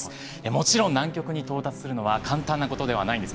もちろん南極に到達するのは簡単なことではないんです。